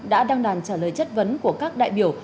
đã đăng đàn trả lời chất vấn của các đại biểu